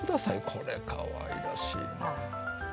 これかわいらしいね。